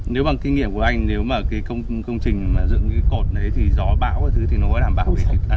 nếu bằng kinh nghiệm của anh nếu mà công trình dựng cái cột đấy thì gió bão thì nó có làm bão gì